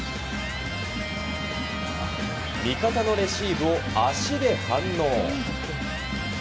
味方のレシーブを足で反応。